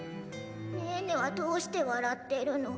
ねーねはどうしてわらってるの？